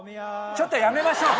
ちょっとやめましょうか。